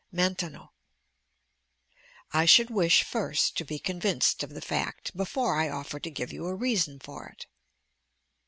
Maintenon I should wish first to be convinced of the fact, before I offer to give you a reason for it.